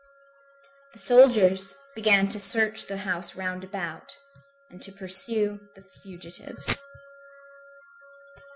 The soldiers began to search the houses round about, and to pursue the fugitives.